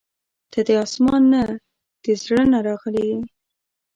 • ته د اسمان نه، د زړه نه راغلې یې.